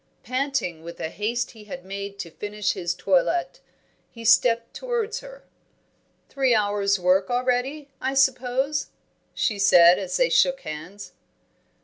Panting with the haste he had made to finish his toilet, he stepped towards her. "Three hours' work already, I suppose," she said, as they shook hands.